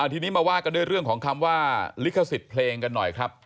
ทีนี้มาว่ากันด้วยเรื่องของคำว่าลิขสิทธิ์เพลงกันหน่อยครับ